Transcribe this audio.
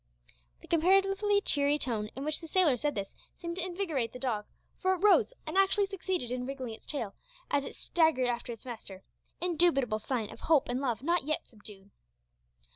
The comparatively cheery tone in which the sailor said this seemed to invigorate the dog, for it rose and actually succeeded in wriggling its tail as it staggered after its master indubitable sign of hope and love not yet subdued!